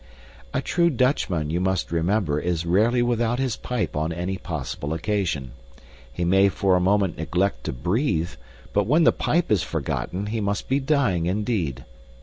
A true Dutchman, you must remember, is rarely without his pipe on any possible occasion. He may for a moment neglect to breathe, but when the pipe is forgotten, he must be dying indeed.